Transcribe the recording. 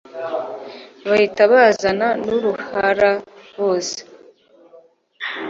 bahita bazana n'uruhara bose